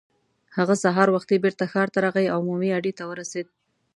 هغه سهار وختي بېرته ښار ته راغی او عمومي اډې ته ورسېد.